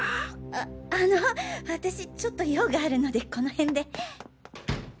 ああの私ちょっと用があるのでこの辺で。